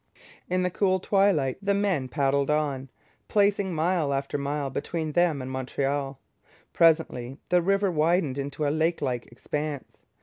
In the cool twilight the men paddled on, placing mile after mile between them and Montreal. Presently the river widened into a lakelike expanse.